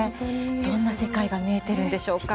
どんな世界が見えてるんでしょうか。